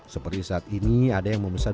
seperti saat ini ada yang memesan